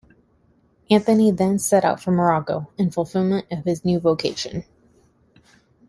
Anthony then set out for Morocco, in fulfillment of his new vocation.